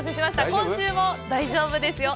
今週も大丈夫ですよ。